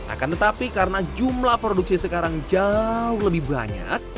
akan tetapi karena jumlah produksi sekarang jauh lebih banyak